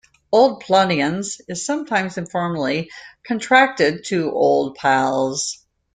"Old Paludians" is sometimes informally contracted to "Old Pals".